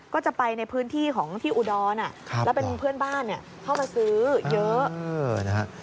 ก็จะไปในพื้นที่ของที่อุดรแล้วเป็นเพื่อนบ้านเข้ามาซื้อเยอะนะฮะ